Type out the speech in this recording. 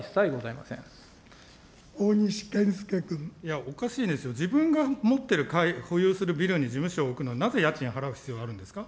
いや、おかしいですよ、自分が持っている、保有するビルに事務所を置くのになぜ家賃を払う必要があるんですか。